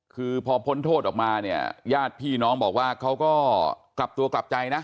คือพอพ้นโทษออกมาเนี่ยญาติพี่น้องบอกว่าเขาก็กลับตัวกลับใจนะ